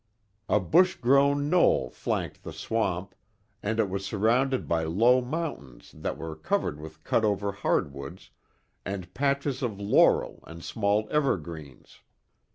A bush grown knoll flanked the swamp and it was surrounded by low mountains that were covered with cutover hardwoods and patches of laurel and small evergreens.